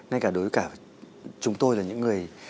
và đối với cả chúng tôi là những người